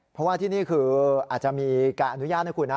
เพราะว่าที่นี่คืออาจจะมีการอนุญาตนะคุณนะ